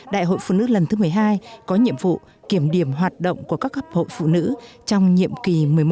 đại hội phụ nữ lần thứ một mươi hai có nhiệm vụ kiểm điểm hoạt động của các cấp hội phụ nữ trong nhiệm kỳ một mươi một